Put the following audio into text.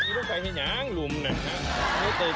ขึ้นพวกมะไร่อาจจะเตร้ง